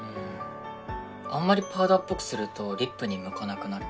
あんまりパウダーっぽくするとリップに向かなくなる。